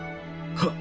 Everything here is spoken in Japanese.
はっ！